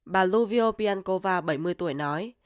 bà luvio piancova bảy mươi tuổi nói